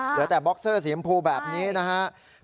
เหลือแต่บ็อกเซอร์สีชมพูแบบนี้นะครับ